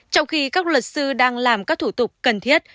trong khi các luật sư đang làm các thủ tục cần thiết